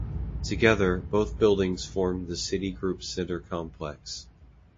Together, both buildings form the Citigroup Centre complex.